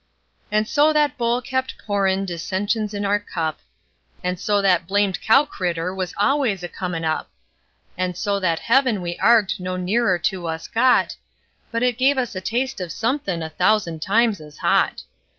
And so that bowl kept pourin' dissensions in our cup; And so that blamed cow critter was always a comin' up; And so that heaven we arg'ed no nearer to us got, But it gave us a taste of somethin' a thousand times as hot.